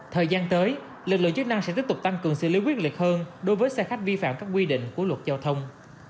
thời gian tới lực lượng chức năng sẽ tiếp tục tăng cường xử lý quyết liệt hơn đối với xe khách vi phạm các quy định của luật giao thông